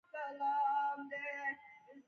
موږ ټول د پښتو ژبې لپاره په ګډه کار کوو.